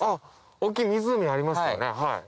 大きい湖ありましたね。